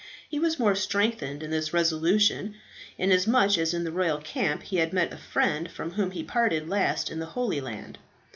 He was the more strengthened in this resolution, inasmuch as in the royal camp he had met a friend from whom he parted last in the Holy Land.